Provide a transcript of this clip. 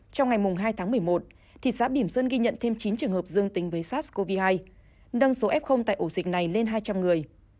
trong ngày hai tháng một mươi một thị xã biểm sơn ghi nhận thêm chín trường hợp dương tính với sars cov hai nâng số f tại ổ dịch này lên hai trăm linh người